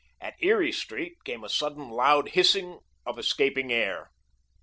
At Erie Street came a sudden loud hissing of escaping air.